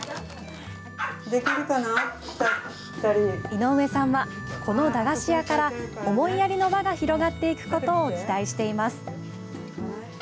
井上さんはこの駄菓子屋から思いやりの輪が広がっていくことを期待しています。